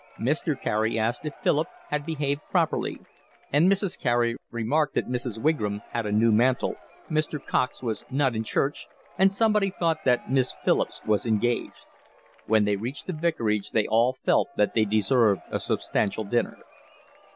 Mr. Carey asked if Philip had behaved properly; and Mrs. Carey remarked that Mrs. Wigram had a new mantle, Mr. Cox was not in church, and somebody thought that Miss Phillips was engaged. When they reached the vicarage they all felt that they deserved a substantial dinner.